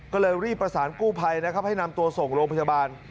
ก็เลยรีบประสานกู้ภัยนะครับให้นำตัวส่งโรงพยาบาล